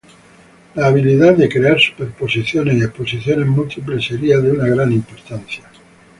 La habilidad de crear superposiciones y exposiciones múltiples sería de una gran importancia.